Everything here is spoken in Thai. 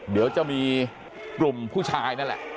เดี๋ยวจะมีกลุ่มผู้ชายนั่นแหละ